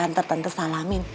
ntar tante salamin